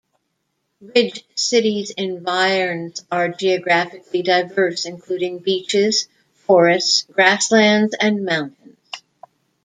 Ridge City's environs are geographically diverse, including beaches, forests, grasslands and mountains.